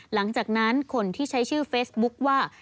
หลังจากนั้นคนที่ใช้ชื่อเฟซบุ๊คว่า